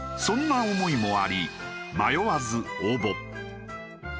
そんな思いもあり迷わず応募。